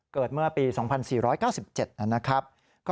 เกิดเมื่อปี๒๔๙๗นะครับ